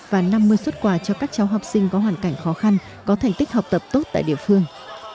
và năm mươi xuất quà cho các cháu học sinh có hoàn cảnh khó khăn có thành tích học tập tốt tại địa phương